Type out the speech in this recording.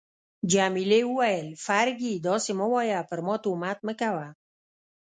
جميلې وويل: فرګي، داسي مه وایه، پر ما تهمت مه کوه.